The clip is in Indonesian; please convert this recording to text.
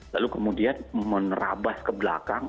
lalu kemudian menerabas ke belakang